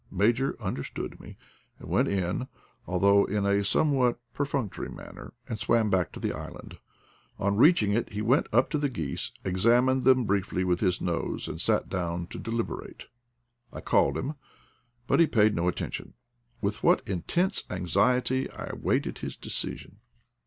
Major understood me, and went in, although in a somewhat perfunctory manner, and swam back to the island. On reach^ ing it he went up to the geese, examined them briefly with his nose and sat down to deliberate. I called him, but he paid no attention. With what intense anxiety I waited his decision.